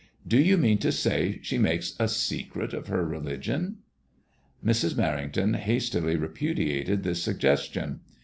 Do you mean to say she makes a secret of her religion ?*' Mrs. Merrington hastily repu diated this suggestion.